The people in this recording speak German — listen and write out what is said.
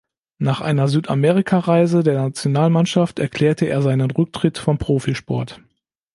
Nach einer Südamerikareise der Nationalmannschaft erklärte er seinen Rücktritt vom Profisport.